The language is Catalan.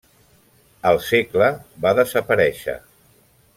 Al segle va desaparèixer.